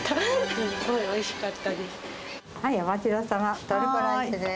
すっごくおいしかったです。